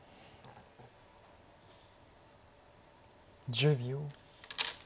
１０秒。